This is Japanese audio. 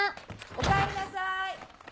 ・おかえりなさい！